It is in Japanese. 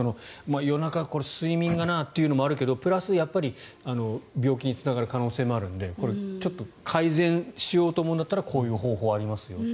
夜中、睡眠がなというのもあるけどプラス病気につながる可能性もあるので改善しようと思うんだったらこういう方法がありますよと。